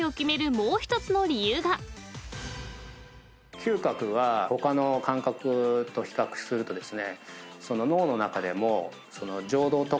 嗅覚は他の感覚と比較するとですね。